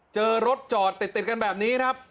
เจอรถจอดติดกันแบบนี้ครับ